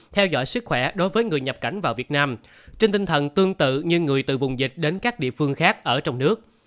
theo dõi sức khỏe đối với người nhập cảnh vào việt nam trên tinh thần tương tự như người từ vùng dịch đến các địa phương khác ở trong nước